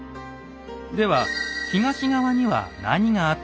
では東側には何があったのでしょうか？